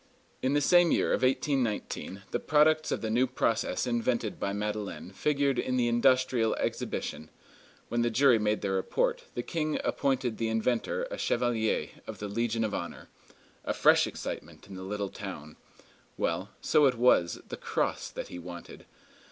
In this same year of 1819 the products of the new process invented by Madeleine figured in the industrial exhibition; when the jury made their report, the King appointed the inventor a chevalier of the Legion of Honor. A fresh excitement in the little town. Well, so it was the cross that he wanted!